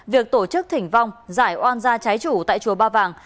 việc tổ chức thỉnh vong giải oan gia trái chủ tại chùa ba vàng